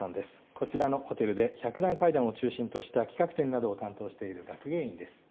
こちらのホテルで百段階段を中心とした企画展などを担当している学芸員です。